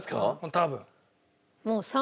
多分。